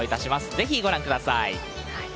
ぜひご覧ください。